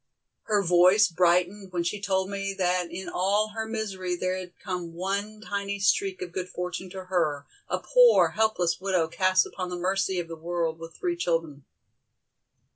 Her voice brightened when she told me that in all her misery there had come one tiny streak of good fortune to her, a poor, helpless widow cast upon the mercy of the world with three children.